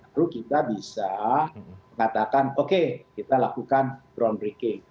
baru kita bisa katakan oke kita lakukan groundbreaking